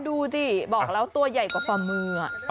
ดูดิบอกแล้วตัวใหญ่กว่าฟาเมออ่ะ